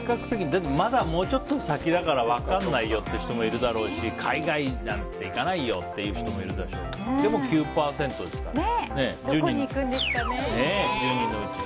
でも、まだもうちょっと先だから分からないよという人もいるだろうし、海外なんていかないよって人もいるだろうしでも、９％ですからね。